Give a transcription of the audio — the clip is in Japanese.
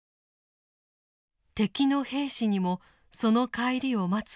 敵の兵士にもその帰りを待つ家族がいる。